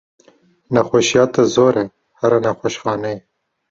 Nexweşiya te zor e here nexweşxaneyê.